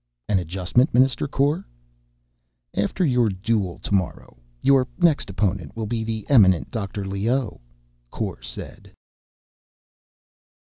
"An adjustment, Minister Kor?" "After your duel tomorrow, your next opponent will be the eminent Dr. Leoh," Kor said.